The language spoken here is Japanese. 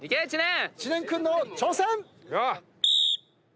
知念君の挑戦！